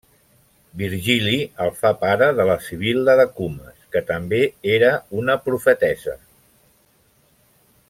Virgili el fa pare de la sibil·la de Cumes, que també era una profetessa.